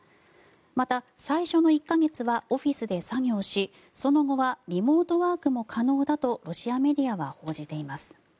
また、最初の１か月はオフィスで作業しその後はリモートワークも可能だとロシアメディアは報じています。